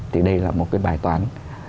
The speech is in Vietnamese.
thì đây là một cái bài toán